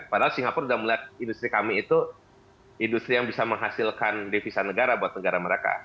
padahal singapura sudah melihat industri kami itu industri yang bisa menghasilkan devisa negara buat negara mereka